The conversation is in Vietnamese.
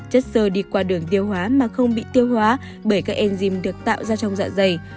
chất sơ đi qua đường tiêu hóa mà không bị tiêu hóa bởi các enzim được tạo ra trong dạ dày